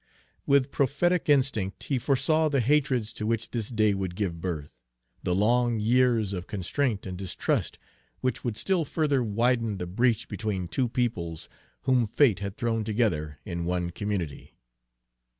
With prophetic instinct he foresaw the hatreds to which this day would give birth; the long years of constraint and distrust which would still further widen the breach between two peoples whom fate had thrown together in one community.